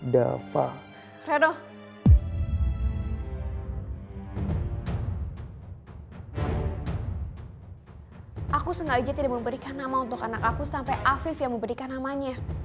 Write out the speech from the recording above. dia memberikan namanya